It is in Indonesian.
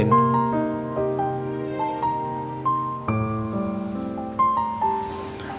kenapa andin udah tidur sih